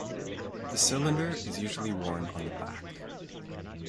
The cylinder is usually worn on the back.